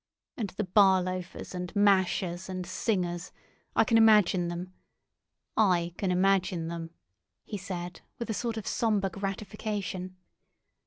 And the bar loafers, and mashers, and singers—I can imagine them. I can imagine them," he said, with a sort of sombre gratification.